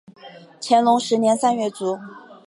乾隆十年三月卒。